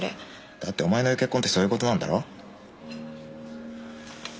だってお前の言う結婚ってそういう事なんだろ？